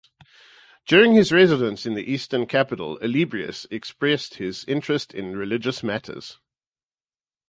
During his residence in the Eastern capital, Olybrius expressed his interest in religious matters.